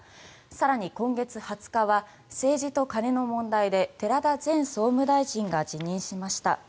更に今月２０日には政治と金の問題で寺田前総務大臣が辞任しました。